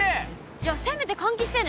じゃあせめて換気してね。